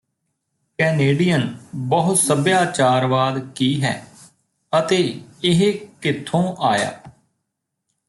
Canadian ਬਹੁ ਸੱਭਿਆਚਾਰਵਾਦ ਕੀ ਹੈ ਅਤੇ ਇਹ ਕਿਥੋਂ ਆਇਆ